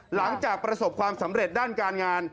หลังจากประสบความสำเร็จด้านการงาน